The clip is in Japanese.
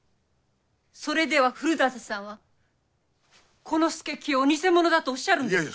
それでは古館さんはこの佐清をニセモノだとおっしゃるんですか？